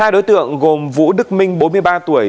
ba đối tượng gồm vũ đức minh bốn mươi ba tuổi